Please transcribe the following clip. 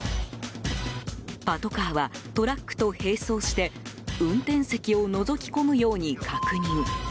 パトカーはトラックと並走して運転席をのぞき込むように確認。